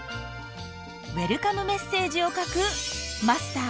ウェルカムメッセージを書くマスター。